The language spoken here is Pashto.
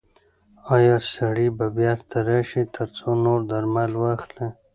ایا سړی به بیرته راشي ترڅو نور درمل واخلي؟